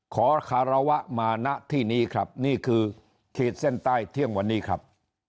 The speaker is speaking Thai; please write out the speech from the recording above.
ขอคารวะมาณที่นี้ครับนี่คือขีดเส้นใต้เที่ยงวันนี้ครับ